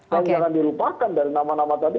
jangan jangan dirupakan dari nama nama tadi